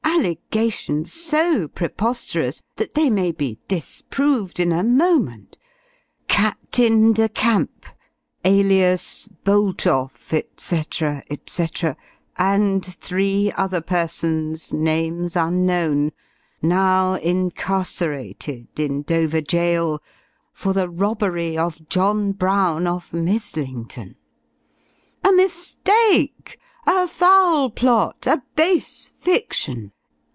Allegations, so preposterous, that they may be disproved in a moment "Captain de Camp, alias Boultoff, &c., &c., and three other persons, names unknown, now incarcerated in Dover Jail, for the robbery of John Brown, of Mizzlington" a mistake a foul plot a base fiction!